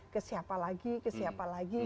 kesiapa lagi kesiapa lagi